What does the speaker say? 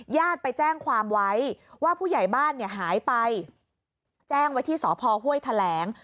ญาติไปแจ้งความไว้ว่าผู้ใหญ่บ้านเนี่ยหายไปแจ้งไว้ที่สพห้วยแถลง